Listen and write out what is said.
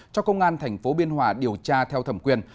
cho công an tp biên hòa điều tra theo thẩm quyền